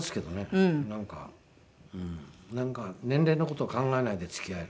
なんか年齢の事を考えないで付き合える。